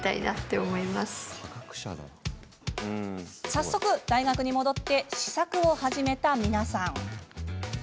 早速、大学に戻って試作を始めた皆さん。